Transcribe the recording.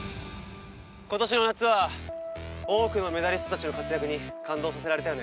今年の夏は多くのメダリストたちの活躍に感動させられたよね？